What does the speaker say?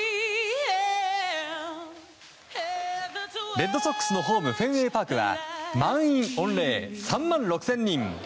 レッドソックスのホームフェンウェイパークは満員御礼３万６０００人！